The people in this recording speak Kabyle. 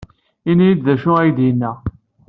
Ini-iyi-d d acu ay d-yenna.